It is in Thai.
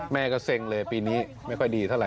แม่ก็เซ็งเลยปีนี้ไม่ค่อยดีเท่าไ